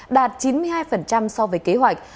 đạt chín mươi hai so với kế hoạch